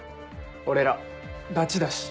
俺らダチだし。